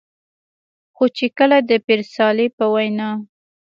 خو چې کله د پير صالح په وېنا